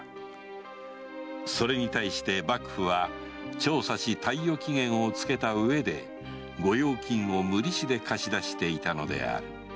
それに対して幕府は調査し貸与期限を付けたうえで御用金を無利子で貸し出していたのである